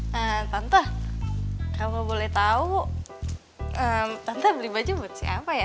hai tante kamu boleh tahu tante beli baju buat siapa ya